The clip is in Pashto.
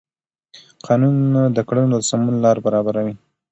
قانون د کړنو د سمون لار برابروي.